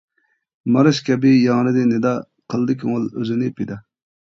مارش كەبى ياڭرىدى نىدا، قىلدى كۆڭۈل ئۆزىنى پىدا.